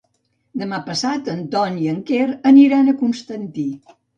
Demà passat en Ton i en Quer aniran a Constantí.